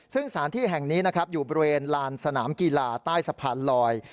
ซึ่งสถานที่แห่งนี้นะครับอยู่บริเวณลานสนามกีฬาใต้สะพานลอย